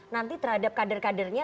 nanti terhadap kader kadernya